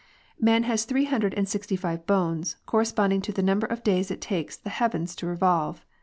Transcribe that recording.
" Man has three hundred and sixty five bones, corresponding to the number of days it takes the heavens to revolve.